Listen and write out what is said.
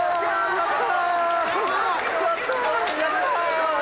やった！